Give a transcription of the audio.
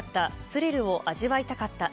スリルを味わいたかった。